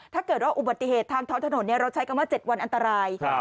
ถ้าเกิดว่าอุบัติเหตุทางท้องถนนเราใช้คำว่า๗วันอันตราย